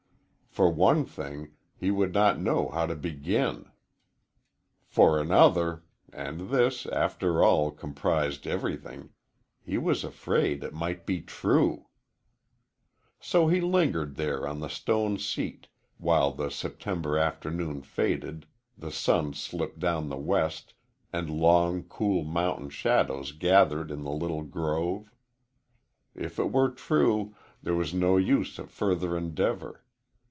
For one thing, he would not know how to begin. For another and this, after all, comprised everything he was afraid it might be true. So he lingered there on the stone seat while the September afternoon faded, the sun slipped down the west, and long, cool mountain shadows gathered in the little grove. If it were true, there was no use of further endeavor.